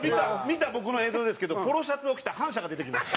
見た僕の映像ですけどポロシャツを着た反社が出てきます。